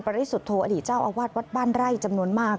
ปริสุทธว์อลิเจ้าอาวาสวัตว์บ้านไร่จำนวนมาก